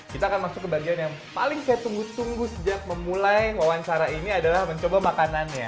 kita akan masuk ke bagian yang paling saya tunggu tunggu sejak memulai wawancara ini adalah mencoba makanannya